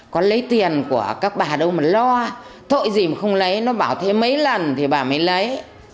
còn lấy tiền của các bà đâu mà lo thôi gì mà không lấy nó bảo thế mấy lần thì bà mới lấy